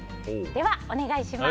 では、お願いします。